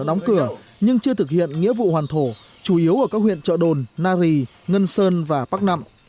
đóng cửa nhưng chưa thực hiện nghĩa vụ hoàn thổ chủ yếu ở các huyện trợ đồn nari ngân sơn và bắc nẵm